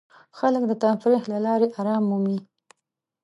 خلک د تفریح له لارې آرام مومي.